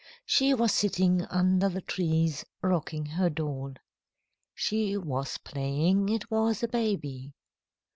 She was sitting under the trees rocking her doll. She was playing it was a baby.